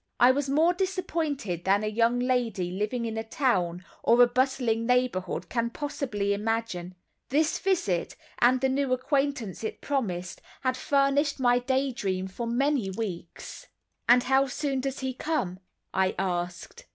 I was more disappointed than a young lady living in a town, or a bustling neighborhood can possibly imagine. This visit, and the new acquaintance it promised, had furnished my day dream for many weeks. "And how soon does he come?" I asked.